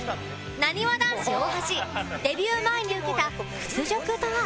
なにわ男子大橋デビュー前に受けた屈辱とは？